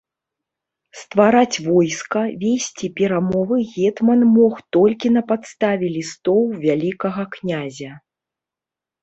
Ствараць войска, весці перамовы гетман мог толькі на падставе лістоў вялікага князя.